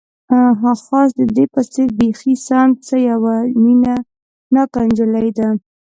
خاص د دې په څېر، بیخي سم، څه یوه مینه ناکه انجلۍ ده.